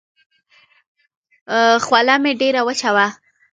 خوله مې ډېره وچه وه.